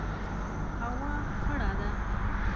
هوا خړه ده